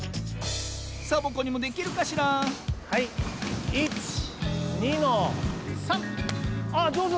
サボ子にもできるかしらはい１２の３！あっじょうず！